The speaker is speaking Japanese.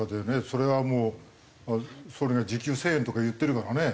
それはもうそれが時給１０００円とか言ってるからね。